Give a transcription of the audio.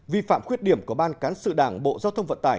vi phạm khuyết điểm của ban cán sự đảng bộ giao thông vận tải